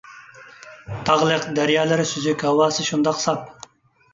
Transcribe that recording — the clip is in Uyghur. تاغلىق، دەريالىرى سۈزۈك، ھاۋاسى شۇنداق ساپ.